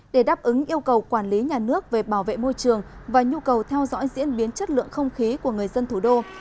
để đáp ứng yêu cầu quản lý nhà nước về bảo vệ môi trường và nhu cầu theo dõi diễn biến chất lượng không khí của người dân thủ đô